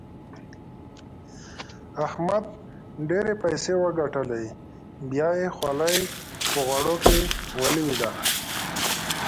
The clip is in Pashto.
احمد ډېرې پيسې وګټلې؛ بيا يې خولۍ په غوړو کې ولوېده.